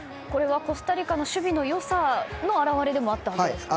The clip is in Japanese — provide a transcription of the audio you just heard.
コスタリカの守備の良さの表れでもあったんですか？